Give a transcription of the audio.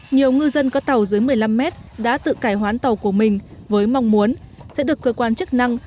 nhiều ngư dân có tàu dưới một mươi năm mét đã tự cải hoán tàu của mình với mong muốn sẽ được cơ quan chức năng